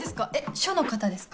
署の方ですか？